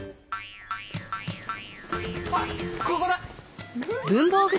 あっここだ！